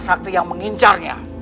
sakti yang mengincarnya